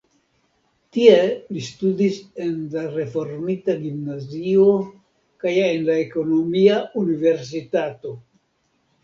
Tie li studis en la reformita gimnazio kaj en la ekonomia universitato.